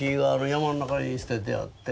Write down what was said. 山の中に捨ててあって。